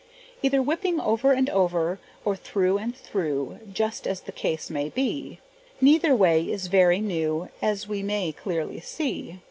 Either whipping over and over, or through and through, Just as the case may be; Neither way is very new As we may clearly see.